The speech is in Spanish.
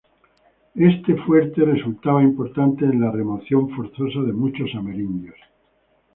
Este fuerte resultaba importante en la remoción forzosa de muchos amerindios.